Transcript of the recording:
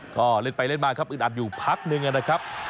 ก็เล่นไปเล่นมาครับอึดอัดอยู่พักนึงนะครับ